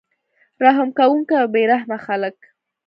رحم کوونکي او بې رحمه خلک